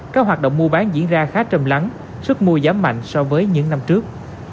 các hoạt động mua bán diễn ra khá trầm lắng sức mua giảm mạnh so với những năm trước